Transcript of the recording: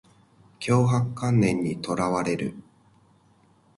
強迫観念にとらわれる